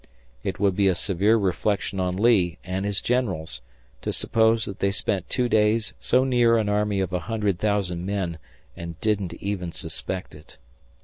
It would be a severe reflection on Lee and his generals to suppose that they spent two days so near an army of a hundred thousand men and didn't even suspect it.